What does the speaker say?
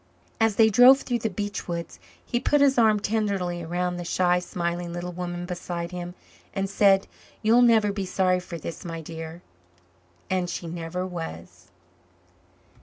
As they drove through the beech woods he put his arm tenderly around the shy, smiling little woman beside him and said, "You'll never be sorry for this, my dear." And she never was.